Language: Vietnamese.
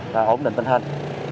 và ổn định tình hình